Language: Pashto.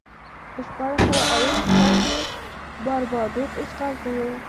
په شپاړس سوه اوه ویشت کال کې باربادوس اشغال شو.